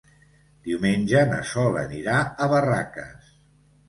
Diumenge na Sol anirà a Barraques.